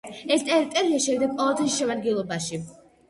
ეს ტერიტორია შევიდა პოლონეთის შემადგენლობაში.